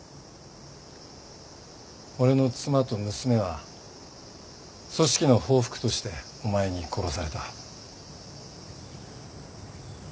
俺の妻と娘は組織の報復としてお前に殺された。